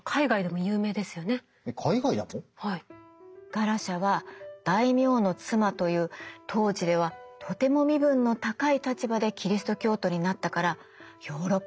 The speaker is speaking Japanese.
ガラシャは大名の妻という当時ではとても身分の高い立場でキリスト教徒になったからヨーロッパで話題になってたの。